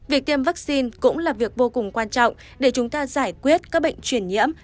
việc tiêm vaccine cũng là việc vô cùng quan trọng để chúng ta giải quyết các bệnh truyền nhiễm